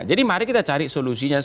jadi mari kita cari solusinya